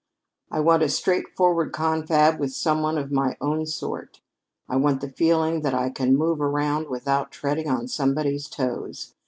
I want a straightforward confab with some one of my own sort; I want the feeling that I can move around without treading on somebody's toes.